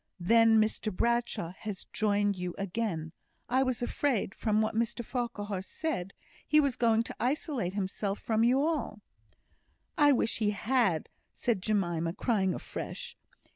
"Then Mr Bradshaw has joined you again; I was afraid, from what Mr Farquhar said, he was going to isolate himself from you all?" "I wish he had," said Jemima, crying afresh.